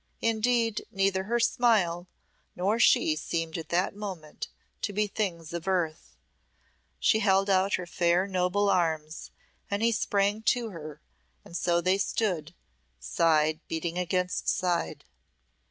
Indeed, neither her smile nor she seemed at that moment to be things of earth. She held out her fair, noble arms, and he sprang to her, and so they stood, side beating against side.